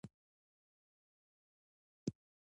او په همدې سره د